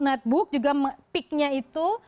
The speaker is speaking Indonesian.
notebook juga peaknya itu